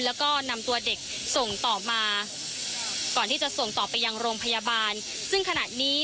แล้วก็นำตัวเด็กส่งต่อมาก่อนที่จะส่งต่อไปยังโรงพยาบาลซึ่งขณะนี้